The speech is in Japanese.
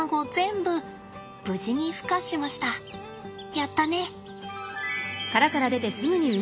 やったね。